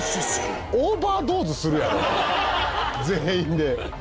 オーバードーズするやろ全員で。